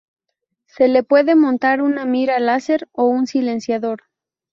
Se le puede montar una mira láser o un silenciador.